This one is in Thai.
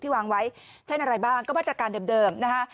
วางไว้เช่นอะไรบ้างก็มาตรการเดิมนะฮะ